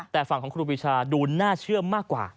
แต่ฝั่งของครูปีชาดูน่าเชื่อมากกว่า